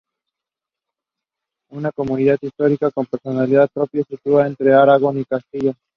Es una comunidad histórica con personalidad propia, situada entre Aragón y Castilla.